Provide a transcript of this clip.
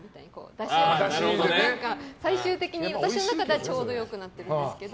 だしが最終的に私の中ではちょうど良くなってるんですけど。